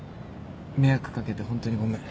迷惑かけてホントにごめん。